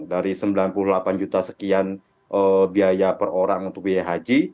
dari sembilan puluh delapan juta sekian biaya per orang untuk biaya haji